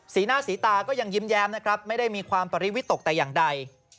สีหน้าสีตาก็ยังยิ้มแย้มนะครับไม่ได้มีความปริวิตกแต่อย่างใด